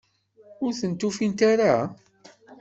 Ur tent-ufint ara?